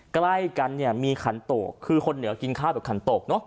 ใกล้กันมีขันโตกคือคนเหนือกินข้าวกับขันโตก